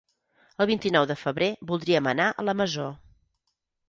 El vint-i-nou de febrer voldríem anar a la Masó.